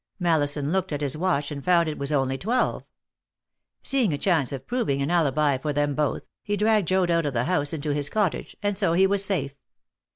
Mallison looked at his watch and found it was only twelve. Seeing a chance of proving an alibi for them both, he dragged Joad out of the house into his cottage; and so he was safe.